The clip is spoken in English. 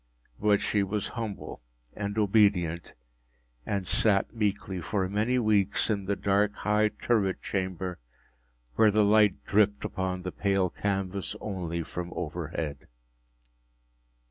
But she was humble and obedient, and sat meekly for many weeks in the dark, high turret chamber where the light dripped upon the pale canvas only from overhead.